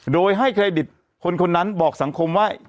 โดยให้เครดิตคนนั้นบอกสังคมว่า